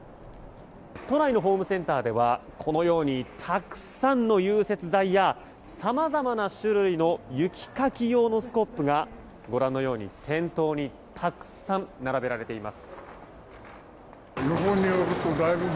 都内のホームセンターではこのようにたくさんの融雪剤やさまざまな種類の雪かき用のスコップがご覧のように、店頭にたくさん並べられています。